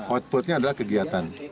outputnya adalah kegiatan